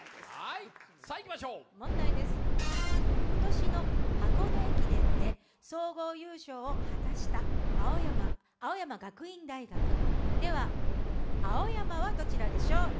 今年の箱根駅伝で総合優勝を果たした青山学院大学、では、青山はどちらでしょう？